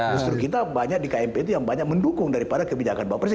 justru kita di kmp banyak yang mendukung dari kebijakan bapak presiden